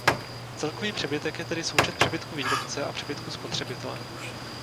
Celkový přebytek je tedy součet přebytku výrobce a přebytku spotřebitele.